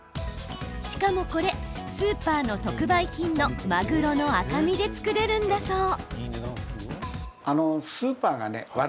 しかも、これスーパーの特売品のマグロの赤身で作れるんだそう。